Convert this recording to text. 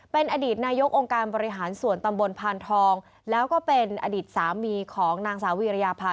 เป็นอดีตนายกองค์การบริหารส่วนตำบลพานทองแล้วก็เป็นอดีตสามีของนางสาววีรยาพา